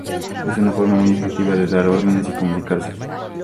Es una forma muy efectiva de dar órdenes y comunicarse.